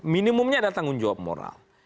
minimumnya ada tanggung jawab moral